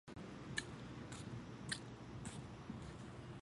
他还参与了基督教和伊斯兰教之间的对话。